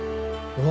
うわ。